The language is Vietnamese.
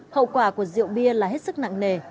hậu quả của rượu bia là hết sức nặng nề